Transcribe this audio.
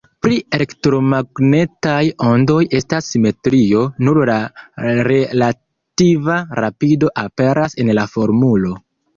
Pri elektromagnetaj ondoj estas simetrio, nur la relativa rapido aperas en la formulo.